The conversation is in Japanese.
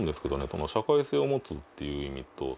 その社会性を持つっていう意味と。